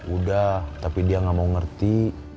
udah tapi dia gak mau ngerti